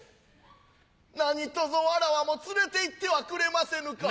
何とぞわらわも連れて行ってはくれませぬか。